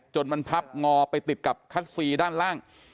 จนมันพับงอไปติดกับคัตซีด้านล่าง